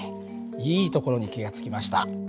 いいところに気が付きました。